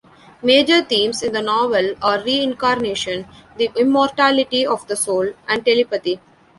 Major themes in the novel are reincarnation, the immortality of the soul, and telepathy.